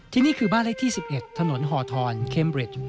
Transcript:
ที่นี่คือบ้านเลขที่๑๑ถนนฮอทร